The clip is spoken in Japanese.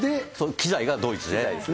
機材がドイツで。